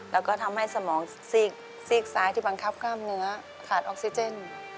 แล้วก็ทำให้สมองซีกซ้ายที่บังคับกล้ามเนื้อขาดออกซิเจน